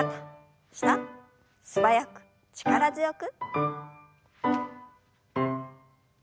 素早く力強く。